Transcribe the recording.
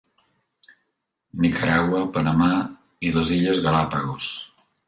Nicaragua, Panamà i les illes Galápagos.